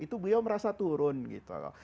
itu beliau merasa turun gitu loh